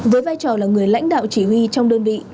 với vai trò là người lãnh đạo chỉ huy trong đơn vị